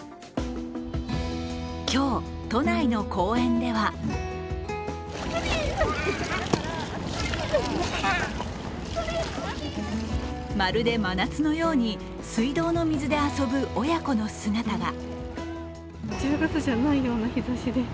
今日、都内の公園ではまるで真夏のように水道の水で遊ぶ親子の姿が。